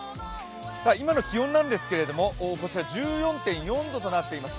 今の気温なんですけれども、こちら１４．４度となっています。